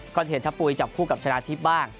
ที่เห็นทะปุ๋ยจับคู่กับชนะทิพย์บ้าง